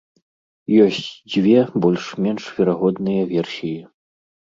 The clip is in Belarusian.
Ёсць дзве больш-менш верагодныя версіі.